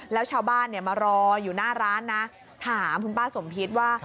แล้วชาวบ้านมารออยู่หน้าร้านนะถามคุณป้าสมพิษว่า